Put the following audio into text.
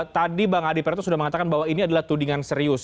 tadi bang adi praetno sudah mengatakan bahwa ini adalah tudingan serius